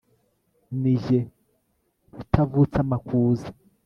ni jye Rutavutsamakuza